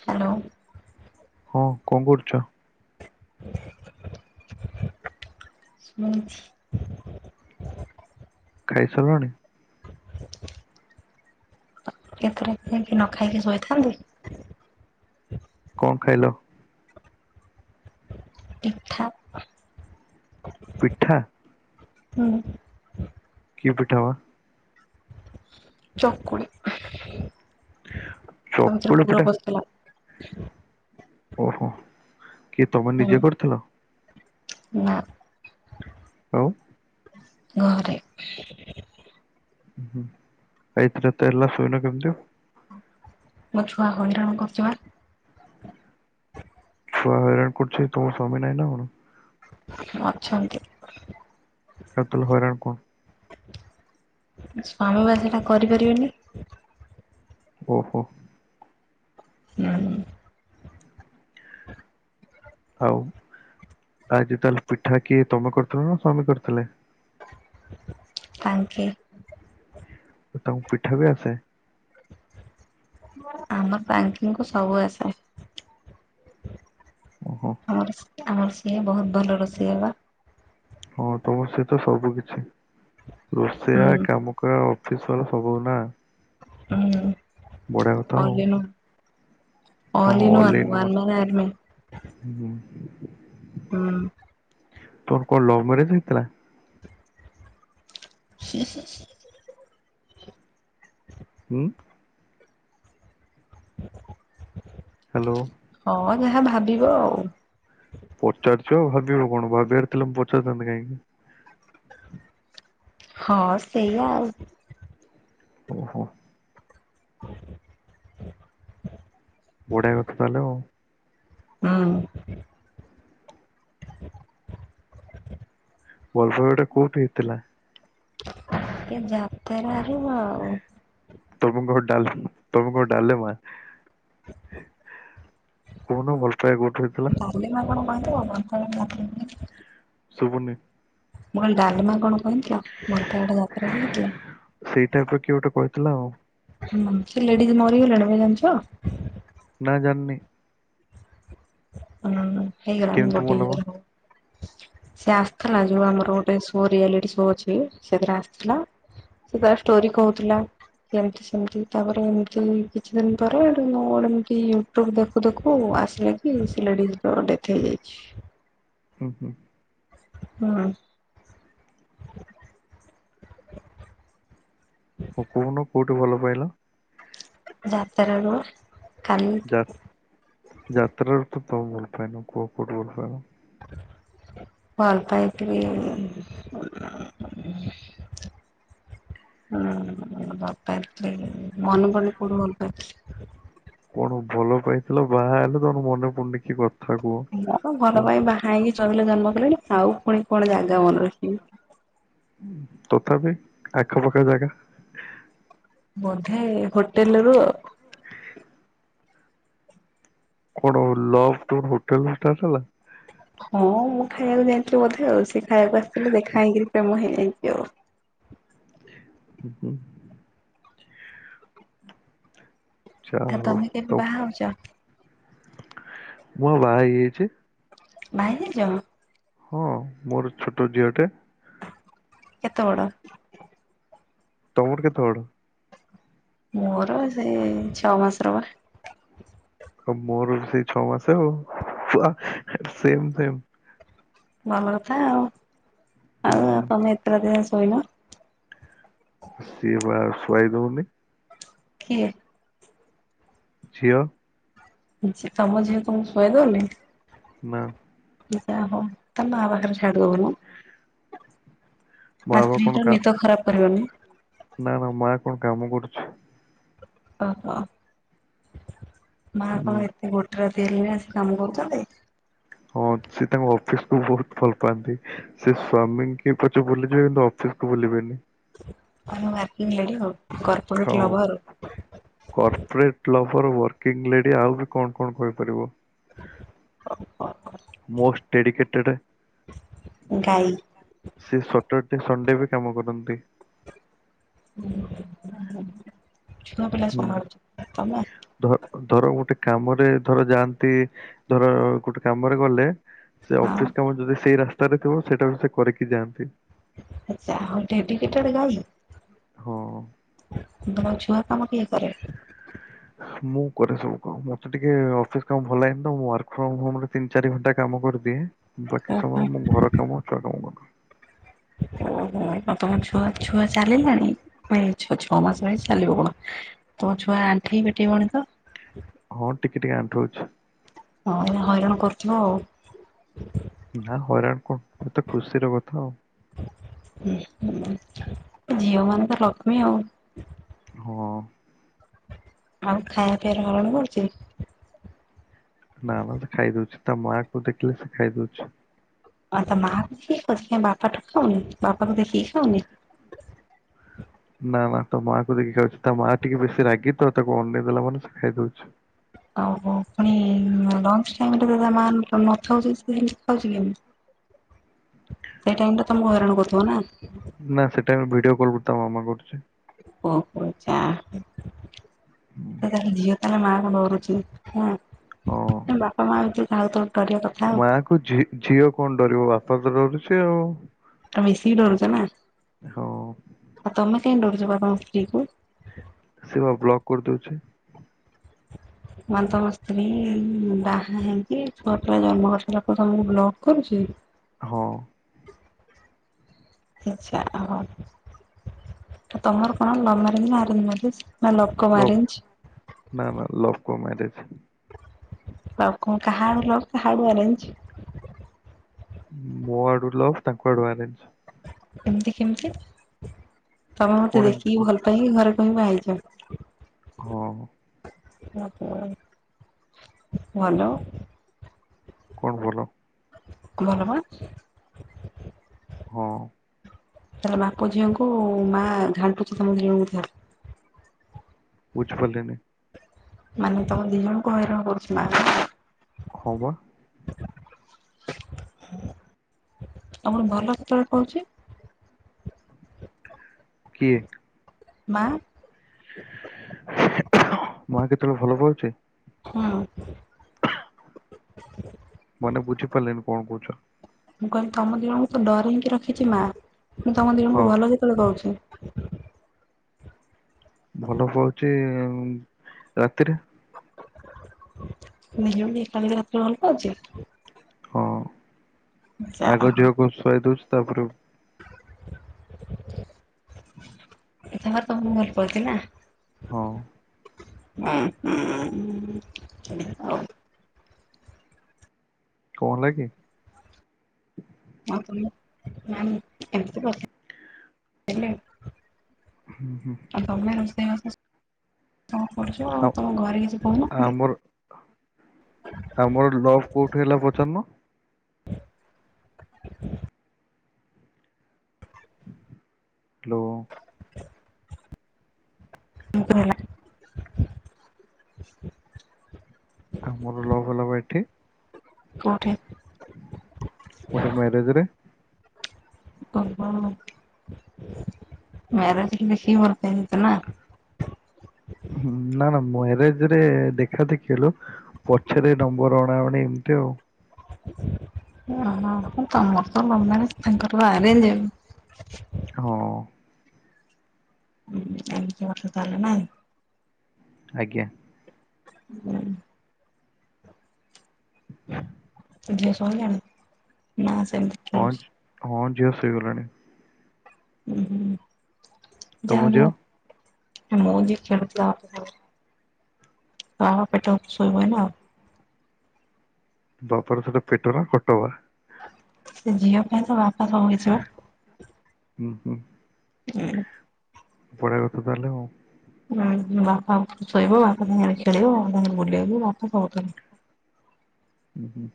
Hello. ହଁ କଣ କରୁଛ? ହୁଁ। ଖାଇସାରିଲାଣି? କେ [unintelligible] ନ ଖାଇକି ଶୋଇଥାନ୍ତି। କଣ ଖାଇଲ? [unintelligible] ପିଠା? ହୁଁ। କି ପିଠା ବା? ଚକୁଳି ଚକୁଳି [unintelligible] ପୁର ପିଠା ବସିଥିଲା। ଓହୋ କିଏ ତମେ ନିଜେ କରିଥିଲ? ନାଁ। ଆଉ? ଘରେ। ଏଇଥିରେ ତେଲ ସଇଲା କେମିତି? ମୋ ଛୁଆ ହଇରାଣ କରୁଛି ବା। ଛୁଆ ହଇରାଣ କରୁଛି ତମ ସ୍ଵାମୀ ନାଇଁ ନା କଣ? ଅଛନ୍ତି। [unintelligible] ହଇରାଣ କଣ ସ୍ୱାମୀ ବା ସେଇଟା କରିପାରିବେନି। ଓହୋ। ହୁଁ। ଆଉ ଆଜି ତାହେଲେ ପିଠା କିଏ ତମେ କରିଥିଲ ନା ସ୍ଵାମୀ କରିଥିଲେ? ତାଙ୍କେ। ତ ତାଙ୍କୁ ପିଠା ବି ଆସେ। ଆମ ପା ତାଙ୍କିଙ୍କୁ ସବୁ ଆସେ। ଓହୋ। ଆମର ସେ ଆମର ସିଏ ବୋହୁତ ଭଲ ରୋଷେଇଆ ବା। ହଁ ତମର ସିଏ ତ ସବୁ କିଛି ହୁଁ ରୋଷେଇଆ କାମ ଅଫିସର ସବୁ ନା। ହୁଁ। ବଢିଆ କଥା ଆଉ। ଓଲିିନ ୱାନ ୱାନ ମାନେ ଆମେ। ହୁଁ ହୁଁ ତମର କଣ ଲଭ ମ୍ୟାରେଜ ହେଇଥିଲା? ହୁଁ ହୁଁ। ଉଁ। ହାଲୋ। ହଁ ଯାହା ଭାବିବ ଆଉ। ପଚାରୁଛୁ ଭାବିବାର କଣ ଭାବିବାର ଥିଲା ମୁଁ ପଚାରିଥାନ୍ତି କାହିଁକି। ହଁ ସେଇଆ ଆଉ। ଓହୋ। ବଢିଆ କଥା ତାହେଲେ ଆଉ। ହୁଁ। ଭଲ ପାଇବାଟା କୋଉଠି ହେଇଥିଲା? କେ ଯାତେରାରୁ ଆଉ। ତମେ କଣ ଡାଲ ତମେ କଣ ଡାଲେମା? କହୁନ ଭଲ ପାଇବା କୋଉଠୁ ହେଇଥିଲା? [unintelligible] ଶୁଭୁନି। ମୁଁ କଇଲି ଡାଲିମା କଣ କହିଥିଲା ମୋର ତଆଡେ ଯାତ୍ରା ଯାଇଥିଲା। ସେଇଟାପର କିଏ ଗୋଟେ କହିଥିଲା ଆଉ? ହୁଁ ସେ ଲେଡିଜ ମରି ଗଲେଣି ଭାଇ ଜାଣିଛ? ନା ଜାଣିନି। ହୁଁ ହେଇଗଲାଣି କେମିତି ଭଲ ବା [unintelligible] ସେ ଆସିଥିଲା ଯୋଉ ଆମର ଗୋଟେ ସୋ ରିଆଲିଟି ସୋ ଅଛି ସେଥିରେ ଆସିଥିଲା। ସେ ତାର ଷ୍ଟୋରି କହୁଥିଲା। କେମତି ସେମତି ତାପରେ ଏମିତି କିଛି ଦିନ ପରେ ଏମତି ଦେଖୁ ଦେଖୁ ଆସିଲେ କି ସେ ଲେଡିଜଙ୍କର ଡେଥ୍ ହେଇଯାଇଛି। ହୁଁ ହୁଁ। ହୁଁ। ହଁ କହୁନ କୋଉଠୁ ଭଲ ପାଇଲ? ଯାତେରାରୁ। ଯାତ ଯାତ୍ରାରୁ ତ ତମେ ଭଲ ପାଇନ କୁଅ କଉଠୁ ଭଲ ପାଇଲ? ଭଲ ପାଇଥିଲି ହୁଁ [unintelligible] ମନ ପଡୁନି କୋଉ ଟୁ ଭଲ ପାଇଥିଲି। କଣ ଭଲ ପାଇଥିଲ ବାହା ହେଲେ ତମ ମନେ ପଡୁନି କି କଥା? କୁହ ହ ଭଲ କୁହ? ପାଇଁ ବାହା ହେଇକି ଚଲିଲେ ଜନ୍ମ କଲେଣି ଆଉ ପୁଣି କଣ ଜାଗା ମନେ ରଖିବି। ତଥାପି ଆଖପାଖ ଜାଗା। ବୋଧେ ହୋଟେଲ ରୁ କଣ ଲବ ଷ୍ଟୋରୀ ହୋଟେଲରୁ ଷ୍ଟାର୍ଟ ହେଲା। ହଁ ମୁଁ ଖାଇବାକୁ ଯାଇଥିଲି ବୋଧେ ଆଉ ସେ ଖାଇବାକୁ ଆସିଥିଲ ଦେଖା ହେଇକିରି ପ୍ରେମ ହେଇଯାଇଛି ଆଉ। ହ ହୁଁ ଯାହା ଆଉ ହଉ ତମେ ତ କେବେ ବାହାହଉଛ? ମୁଁ ବା ବାହା ହେଇଯାଇଛି। ବାହା ହେଇଯାଇଛ। ହଁ ମୋର ଛୋଟ ଝିଅଟେ। କେତେ ବଡ଼? ତମର କେତେବଡ? ମୋର ସେଇ ଛଅ ମାସ ର ବା। ଆଉ ମୋର ସେଇ ଛଅ ମାସ ଆଉ ସେମ ସେମ। ଭଲ କଥା ଆଉ ହୁଁ ଆଉ ତମେ ଏତେ ରାତି ଯାଏ ଶୋଇନ। ସିଏ ବା ଶୁଆଇ ଦଉନି। କିଏ? ଝିଅ। ତମ ଝିଅ ତମକୁ ଶୁଆଇଦେଉନି। ନା। ଜା ହଉ ତା ମା ପାଖରେ ଛାଡି ଦଉନା। ମା ନା ବା ସ୍ତ୍ରୀ କଣ ଟା କା ନିଦ ଖରାପ କରିବନି। ନା ନା ମା କଣ କାମ କରୁଛି? ଓହ ମାଆ କଣ ହୁଁ ଏତେ ଗୋଟେ ରାତି ହେଲାଣି ଅସି କାମ କରୁଛନ୍ତି? ହଁ ସେ ତାଙ୍କ ଅଫିସ କୁ ବହୁତ ଭଲ ପାଆନ୍ତି। ସେ ସ୍ଵାମୀ ଙ୍କୁ ପଛେ ଭୁଲିଯିବେ କିନ୍ତୁ ଅଫିସକୁୁ ଭୂଲିବେନି। ୱର୍କିଙ୍ଗ ଲେଡି ଆଉ କର୍ପୋରେଟ୍ବ ହଁ। ଲଭର ଆଉ। କର୍ପୋରେଟ ଲଭର ୱାରକିଂ ଲେଡି ଆଉ ବି କଣ କଣ କହିପାରିବ? Most dedicated. ଗାଈ। ସେ ସଟରଡ଼େ ସଣ୍ଡେ ବି କାମ କରନ୍ତି। ଛୁଆ ପିଲା ହୁଁ ସମ୍ଭଳୁଚ ତମେ। ଧ ଧର ଗୋଟେ କାମରେ ଧର ଯାଆନ୍ତି ଧର ଗୋଟେ କାମରେ ଗଲେ। ସେ ଅଫିସ ହଁ କାମ ଯଦି ସେଇ ରାସ୍ତାରେ ଥିବ ସେଇଟା ବି ସେ କରିକି ଯାଆନ୍ତି। ଆଛା ଡେଡିକେଟେଡ [unintelligible] ହଁ। ତମ ଛୁଆ କାମ କିଏ କରେ। ମୁଁ କରେ ସବୁ କାମ ମତେ ଟିକେ ଅଫିସ କାମ ଭଲ ଲାଗନି ତ ମୁ ୱାର୍କ ଫ୍ରମ ହୋମ ରେ ତିନି ଚାରି ଘଣ୍ଟା କାମ କରିଦିଏ। ବାକି ଓହୋ। ସମୟ ମୁଁ ଘର କାମ ଛୁଆ କାମ କରେ। ଓହୋ ଆଉ ତମ ଛୁଆ ଛୁଆ ଚାଲିଲାଣି। ନାଇ ଛଅ ଛଅ ମାସ ର ହେଇଛି ଚାଲିବ କୋଉଠୁ ତମ ଛୁଆ ଆଣ୍ଠେଇ ପେଟେଇ ବଣୀ ତ। ହଁ ଟିକେ ଟିକେ ଅଣ୍ଠୋଉଚି। ହଁ ହଇରାଣ କରୁଥିବ ଆଉ। ନା ହଇରାଣ କଣ ଏତେ ଖୁସି ର କଥା ଆଉ। ଝିଅ ମାନେ ତ ଲକ୍ଷ୍ମୀ ଆଉ। ହଁ। ଆଉ ଖାଇବା ପିଇବାର ହଇରାଣ କରୁଛି? ନା ନା ତ ଖାଇ ଦୋଉଚି ତା ମାଆ କୁ ଦେଖିଲେ ସେ ଖାଇ ଦୋଉଚି। ଆ ତ ମା ବି ଠିକ୍ ଅଛି ବାପା ଠୁ ଖାଉନି ବାପାକୁ ଦେଖିକି ଖାଉନି। ନାଁ ନାଁ ତା ମାଆ କୁ ଦେଖି ଖାଉଛି ତା ମାଆ ଟିକେ ବେଶୀ ରାଗି ତ ତାକୁ ଅନେଇ ଦେଲା ମାନେ ସେ ଖାଇଦୋଉଚି। ଓହୋ ପୁଣି ଲଞ୍ଚ ଟାଇମ୍ ରେ ତା ମା ନଥାଉଚି ସେ ଖାଉଚି କେମତି? ହଁ [inaudible] ସେଇ ଟାଇମ୍ ଟା ତମକୁ ହଇରାଣ କରୁଥିବ ନା। ନାଁ ସେ ଟାଇମ୍ ରେ ଭିଡିଓ କଲ୍ ତା ମାମା କରୁଚି। ଓହୋ ଯାହା ହୋଉ ତାହାଲେ ଝିଅ ତାହେଲେ ମା କୁ ଡରୁଛି। ହଁ ହଁ। ବାପା ମା ଭିତରୁ ଯାହାକୁ ତ ଡରିବା କଥା ମା ଆଉ। ଝି ଝିଅ କଣ ଡରିବ ବାପା ତ ଡରୁଛି ଆଉ। ମିଶିକି ଡରୁଚ ନା ହଁ। ଆଉ ତମେ କାଇଁ ଡରୁଚ ବା ତମ ସ୍ତ୍ରୀ କୁ? ସେ ବା ବ୍ଲକ୍ କରିଦୋଉଚି। ହଁ ମାନେ ତମ ସ୍ତ୍ରୀ ବାହା ହେଇକି ଛୁଆ ପିଲା ଜନ୍ମ କରିସାଇଲା ପରେ ତମକୁ ବ୍ଲକ୍ କରୁଚି। ହଁ। ଆଚ୍ଛା ହୋଉ ତମର କଣ ଲଭ ମାରେଜ୍‌ ନା ଆରେଞ୍ଜ ମ୍ୟାରେଜ। ନାଁ ଲଭ୍ କମ୍ ଆରେଞ୍ଜ୍। ନାଁ ନାଁ love cum arrange. Love cum କାହାଆଡୁ ଲଭ୍ କାହାଆଡୁ ଆରେଞ୍ଜ୍। ମୋ ଆଡୁ ଲଭ ତାଙ୍କୁ ଆଡୁ ଆରେଞ୍ଜ। ଏମିତି କେମିତି ତମେ କଣ ମତେ ଏମିତି ଦେଖିକି ଭଲ ପାଇକି ଘରେ କହିକି ବାହାହେଇଚ। ହଁ। ଆଛା ଆଚ୍ଛା ଭଲ। କଣ ଭଲ? ଭଲପା। ହଁ। ତାହେଲେ ବାପ ଝିଅଙ୍କୁ ମାଆ ଘାଣ୍ଟୁଛି ତମ ଦିଜଣଙ୍କୁ ତାହାଲେ। ବୁଝିପାରିଲିନି। ମାନେ ତମ ଦି ଜଣଙ୍କୁ ହଇରାଣ କରୁଛି ମା। ହଁ ପା। ଆଉ ପୁଣି ଭଲ କେତେବେଳେ ପାଉଚି। କିଏ? ମା। ମା କେତେବେଳେ ଭଲ ପାଉଚି। ହୁଁ। ମାନେ ବୁଝିପାରିଲିନି କଣ କହୁଛ? ମୁଁ କହିଲି ତମ ଦିଜଣଙ୍କୁ ତ ଡରେଇକି ରଖିଛି ମା ପୁଣି ତମ ହଁ ଦିଜଣଙ୍କୁ ଭଲ କେତେବେଳେ ପାଉଚି। ଭଲ ପାଉଚି ରାତିରେ। ଦି ଜଣଙ୍କୁ ଏକାବେଳେ ରାତିରେ ଭଲ ପାଉଚି। ହଁ ଯା ଆଗ ଝିଅକୁ ଶୁଆଇ ଦୋଉଚି ତାପରେ ରେ ଏ ତାପରେ ତମୁକୁ ଭଲ ପାଉଛି ନା? ହଁ। ହୁଁ ହୁଁ ଆଉ କଣ ହେଲାକି? [unintelligible] ହୁଁ ହୁଁ। ଆଉ ତମେ ରୋଷେଇବାସ ସବୁ କରୁଛ ଆଉ ତମ ଘରେ କିଛି କହୁନାହାନ୍ତି? ଆମର ଆମର ଲଭ୍ କୋଉଠି ହେଲା ପଚାରୁନ। ହଁ ହ୍ୟାଲୋ। ଅ [unintelligible] ଆମର ଲଭ୍ ହେଲା ପା ଏଠି। କୋଉଠି? ଗୋଟେ ମ୍ୟାରେଜ ରେ। [unintelligible] ମ୍ୟାରେଜ ରେ ଦେଖିକି ଭଲ୍ ପାଇଯାଇଚ ନାଁ। ହୁଁ ନା ନା ମ୍ୟାରେଜ ରେ ଦେଖା ଦେଖି ହେଲୁ। ପଛରେ ନମ୍ବର ଅଣାଅଣି ଏମିତି ଆଉ। ଓହୋ ତମର ତ [unintelligible] ତାଙ୍କର [unintelligible] ହଁ। [unintelligible] ଆଜ୍ଞା। ହୁଁ। ଝିଅ ଶୋଇଲାଣି? ଅଞ୍ଚ୍ ଖେଳୁଛି ହଁ ଝିଅ ସୋଇଗଲାଣି। ଉଁ ହୁଁ ତମ ଝିଅ ଯାହାବି ହୋଉ [unintelligible] ତ ଆମ ପେଟ ଶୋଇବୁ ଏଇନେ ଆଉ। ବାପରେ ସେଟା ପେଟ ନା ଖଟ ବା। ସେ ଝିଅ ପାଇଁ ତା ବାପା ସବୁ କିଛି ମ। ହୁଁ ହୁଁ। ହୁଁ। ବଢିଆ କଥା ତାହେଲେ ଆଉ। ହୁଁ ବାପା ପାଖେ ଶୋଇବ, ବାପା ସାଙ୍ଗରେ ଖେଳିବ, ବାପା ସାଙ୍ଗରେ ବୁଲିବ, ବାପା ସବୁ କରିବେ। ଉଁ ହୁଁ।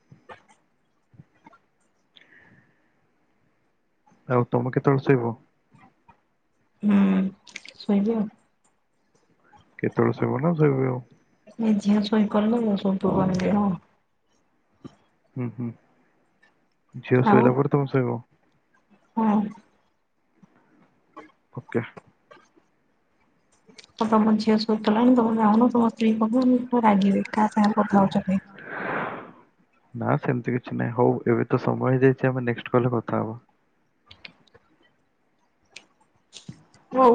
ଆଉ ତମେ କେତେବେଳେ ଶୋଇବ? ହୁଁ ଶୋଇବି ଆଉ। କେତେବେଳେ ଶୋଇବ ନା ଶୋଇବି ଆଉ। ଏ ଝିଅ ଶୋଇପଡିଲେ ଶୋଇପଡିବୁ ଆମେ ଦି ଜଣ। ଉଁ ହୁଁ ଝିଅ ଶୋଇଲା ପରେ ତମେ ଶୋଇବ? ହୁଁ। ଓକେ। ତ ତମ ଝିଅ ଶୋଇପଇଲାଣି ତମେ ଯାଉନ ତମ ସ୍ତ୍ରୀ କହିବେ [unintelligible] ରାଗିବେ କାହା ସାଙ୍ଗ କଥା ହଉଛ କହିକି। ନା ସେମିତି କିଛି ନାହିଁ ହଉ ଏବେ ତ ସମୟ ହେଇଯାଇଛି ଆମେ ନେକ୍ସଟ୍ କଲ୍ ରେ କଥା ହବା। ହଉ।